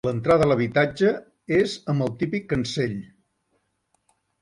L'entrada a l'habitatge és amb el típic cancell.